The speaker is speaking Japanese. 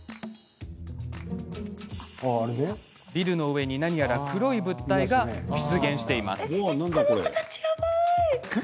ビルの上に何やら黒い物体が出現しています。